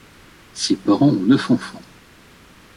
Ses parents ont neuf enfants.